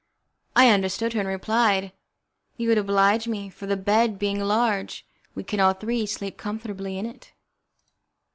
I understood her, and replied: "You would oblige me, for the bed being large we can all three sleep comfortably in it."